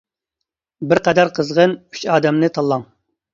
بىر قەدەر «قىزغىن» ئۈچ ئادەمنى تاللاڭ.